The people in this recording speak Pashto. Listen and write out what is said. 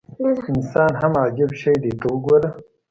انسان هم عجیب شی دی ته وګوره.